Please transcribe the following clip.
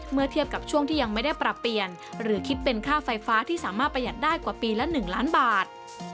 เมื่อเทียบกับช่วงที่ยังไม่ได้ปรับเปลี่ยนหรือคิดเป็นค่าไฟฟ้าที่สามารถประหยัดได้กว่าปีละ๑ล้านบาท